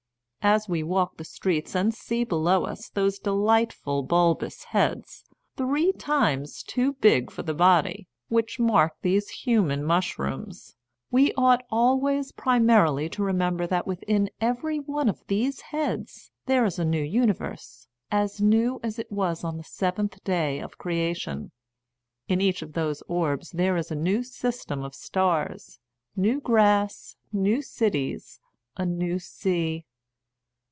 As we walk the streets and see below us those de lightful bulbous heads, three times too big A Defence of Baby Worship for the body, which mark these human mushrooms, we ought always primarily to remember that within every one of these heads there is a new universe, as new as it was on the seventh day of creation. In each of those orbs there is a new sys tem of stars, new grass, new cities, a new sea.